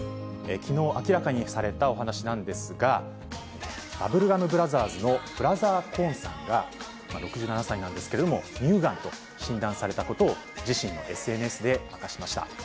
きのう明らかにされたお話なんですが、バブルガム・ブラザーズのＢｒｏ．ＫＯＲＮさんが、６７歳なんですけれども、乳がんと診断されたことを、自身のＳＮＳで明かしました。